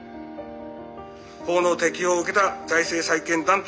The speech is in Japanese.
法の適用を受けた財政再建団体となり。